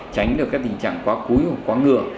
tránh được các tình trạng quá cuối hoặc quá ngửa